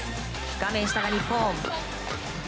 画面下が日本。